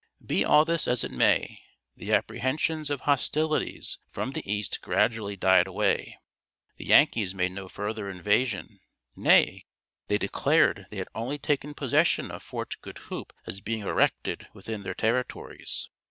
Be all this as it may, the apprehensions of hostilities from the east gradually died away. The Yankees made no further invasion; nay, they declared they had only taken possession of Fort Goed Hoop as being erected within their territories.